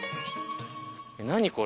何これ？